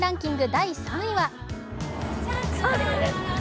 第３位は？